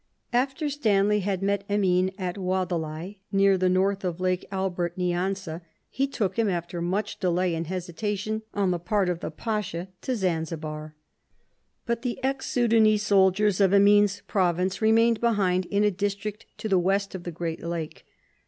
After Stanley had met Emin at Wadelai, near the north of Lake Albert Nyanza, he took him, after much delay and hesitation on the part of the Pasha, to Zanzibar. But the ex Sudanese soldiers of Emin's province remained behind in a district to the west of the great lake.